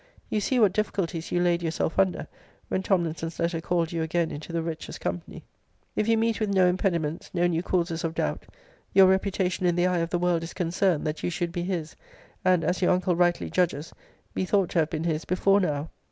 You see what difficulties you laid yourself under,] when Tomlinson's letter called you again into [the wretch's] company. * See Letter XI. of this volume. If you meet with no impediments, no new causes of doubt,* your reputation in the eye of the world is concerned, that you should be his, [and, as your uncle rightly judges, be thought to have been his before now.